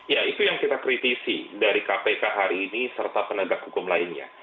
ya itu yang kita kritisi dari kpk hari ini serta penegak hukum lainnya